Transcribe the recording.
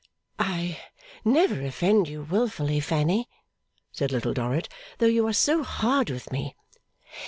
'I never offend you wilfully, Fanny,' said Little Dorrit, 'though you are so hard with me.